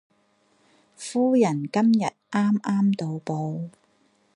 夫人今日啱啱到埗